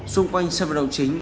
xung quanh sân vật đầu chính